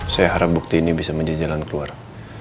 saya harap bukti ini bisa menjajalan keluarga